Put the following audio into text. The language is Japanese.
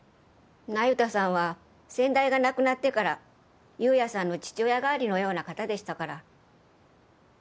那由他さんは先代が亡くなってから夕也さんの父親代わりのような方でしたから。